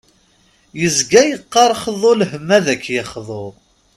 Yezga yeqqar xḍu lhem ad k-yexḍu.